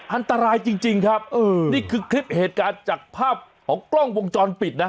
อันตรายจริงครับนี่คือคลิปเหตุการณ์จากภาพของกล้องวงจรปิดนะ